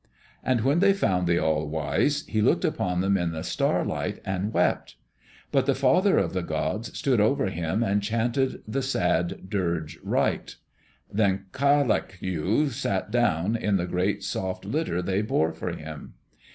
And when they found the All wise, he looked upon them in the starlight and wept. But the father of the gods stood over him and chanted the sad dirge rite. Then K yak lu sat down in the great soft litter they bore for him.